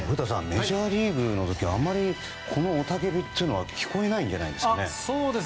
メジャーリーグの時はあまり雄たけびは聞こえないんじゃないですかね。